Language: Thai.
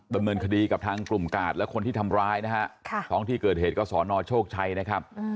ดำเนินคดีกับทางกลุ่มกาดและคนที่ทำร้ายนะฮะท้องที่เกิดเหตุก็สอนอโชคชัยนะครับ